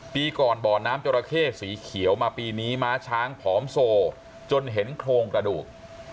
ปีก่อนบ่อน้ำจราเข้สีเขียวมาปีนี้ม้าช้างผอมโซจนเห็นโครงกระดูก